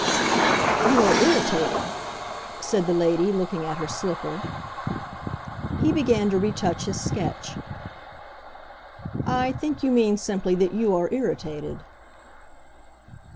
"You are irritating," said the lady, looking at her slipper. He began to retouch his sketch. "I think you mean simply that you are irritated."